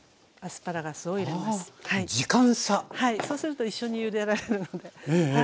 そうすると一緒にゆでられるので。